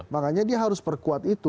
makanya dia harus perkuat itu